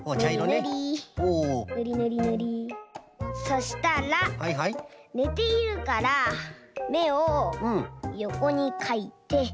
そしたらねているからめをよこにかいて。